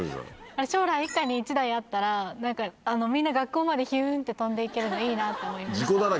あれ将来一家に一台あったら何かみんな学校までヒュンって飛んで行けるのいいなって思いました。